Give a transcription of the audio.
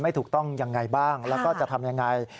ไม่ถูกต้องอย่างไรบ้างแล้วก็จะทำอย่างไร